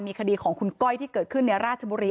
มีคดีของคุณก้อยที่เกิดขึ้นในราชบุรี